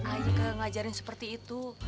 ayah gak ngajarin seperti itu